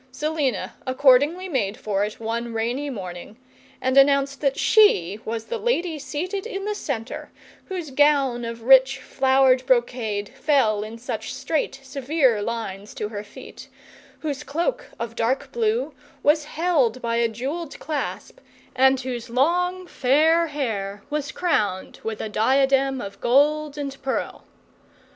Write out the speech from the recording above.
Selina accordingly made for it one rainy morning, and announced that she was the lady seated in the centre, whose gown of rich, flowered brocade fell in such straight, severe lines to her feet, whose cloak of dark blue was held by a jewelled clasp, and whose long, fair hair was crowned with a diadem of gold and pearl.